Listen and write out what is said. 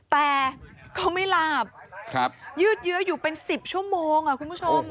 แต่เขายึดเยอะอยู่เป็น๑๐ชั่วโมงอ่ะคุณผู้ชม